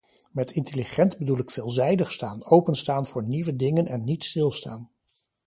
Met intelligent bedoel ik veelzijdig zijn, open staan voor nieuwe dingen en niet stilstaan.